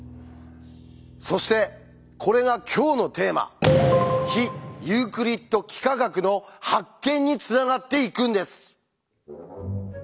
そしてこれが今日のテーマ「非ユークリッド幾何学」の発見につながっていくんです。